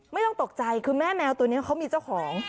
ไม่ต้องตกใจคือแม่แมวตัวนี้เขามีเจ้าของ